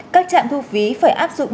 các trạng thu phí phải áp dụng